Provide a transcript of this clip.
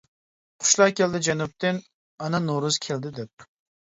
قۇشلار كەلدى جەنۇبتىن، «ئانا نورۇز» كەلدى دەپ.